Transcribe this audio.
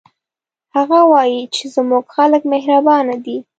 هغه وایي چې زموږ خلک مهربانه دي